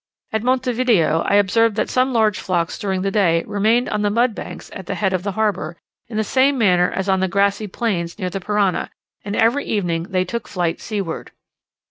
At Monte Video, I observed that some large flocks during the day remained on the mud banks at the head of the harbour, in the same manner as on the grassy plains near the Parana; and every evening they took flight seaward.